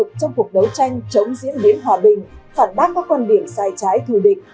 họ tích cực trong cuộc đấu tranh chống diễn biến hòa bình phản bác các quan điểm sai trái thù địch